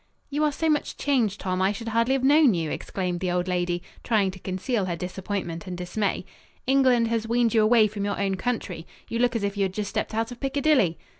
"You are so much changed, Tom; I should hardly have known you," exclaimed the old lady, trying to conceal her disappointment and dismay. "England has weaned you away from your own country. You look as if you had just stepped out of Piccadilly."